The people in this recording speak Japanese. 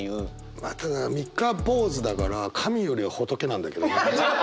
まあただ三日坊主だから神よりは仏なんだけどね。